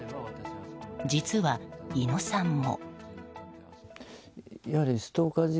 実は、猪野さんも。